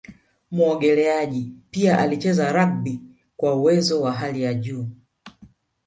Muogeleaji pia alicheza rugby kwa uwezo wa hali ya juu